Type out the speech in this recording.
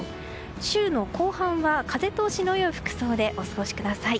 週の後半は風通しの良い服装でお過ごしください。